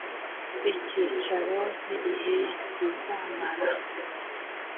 icyicaro n igihe rizamara